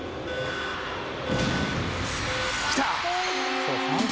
「きた！」